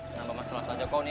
kenapa masalah saja kau nih